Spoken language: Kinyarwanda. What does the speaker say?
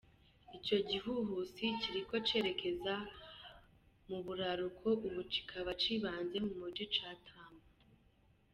Ico gihuhusi kiriko cerekeza mu buraruko, ubu kikaba cibanze mu muji ca Tampa.